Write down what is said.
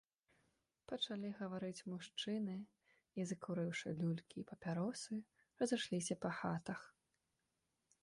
Пачалi гаварыць мужчыны i, закурыўшы люлькi i папяросы, разышлiся па хатах...